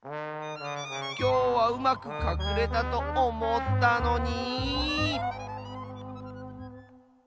きょうはうまくかくれたとおもったのに。